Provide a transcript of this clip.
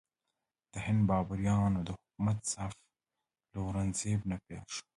د هند بابریانو د حکومت ضعف له اورنګ زیب نه پیل شو.